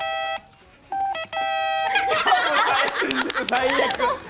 最悪！